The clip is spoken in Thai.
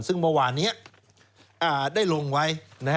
ซึ่งเมื่อวานนี้ได้ลงไว้